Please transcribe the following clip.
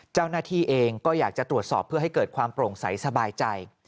เจ้าหน้าที่เองก็อยากจะตรวจสอบเพื่อให้เกิดความโปร่งใสสบายใจ